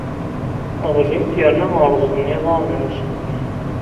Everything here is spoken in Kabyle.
Ɣlint yerna rrẓen yiḍarren-nsent.